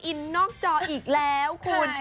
อินนอกจออีกแล้วคุณ